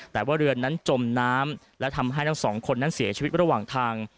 แต่ว่าเรือนนั้นจมน้ำและทำให้ทั้งสองคนนั้นเสียชีวิตระหว่างทาง